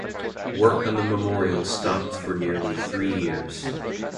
Work on the memorial stopped for nearly three years.